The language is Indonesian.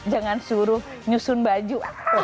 jangan suruh nyusun baju